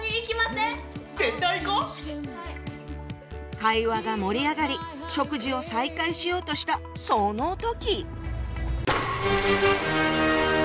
会話が盛り上がり食事を再開しようとしたその時！